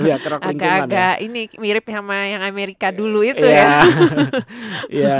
agak agak ini mirip sama yang amerika dulu itu ya